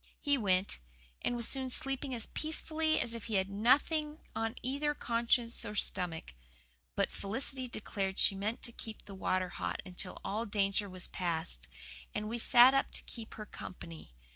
He went, and was soon sleeping as peacefully as if he had nothing on either conscience or stomach. But Felicity declared she meant to keep the water hot until all danger was past; and we sat up to keep her company.